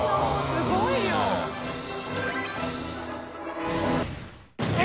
すごいね。